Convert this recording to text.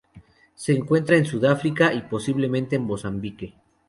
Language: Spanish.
Se encuentra en Sudáfrica y, posiblemente en Mozambique.